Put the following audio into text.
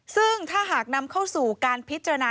ซึ่งถ้าหากนำเข้าสู่การพิจารณา